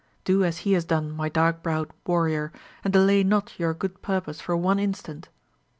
Do as he has done, my dark browed warrior, and delay not your good purpose for one instant."